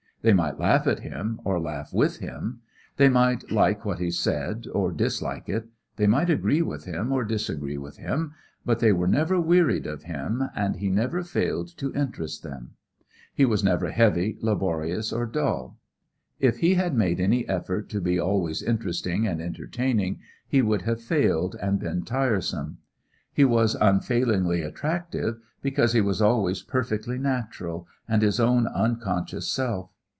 They might laugh at him or laugh with him, they might like what he said or dislike it, they might agree with him or disagree with him, but they were never wearied of him, and he never failed to interest them. He was never heavy, laborious, or dull. If he had made any effort to be always interesting and entertaining he would have failed and been tiresome. He was unfailingly attractive, because he was always perfectly natural and his own unconscious self.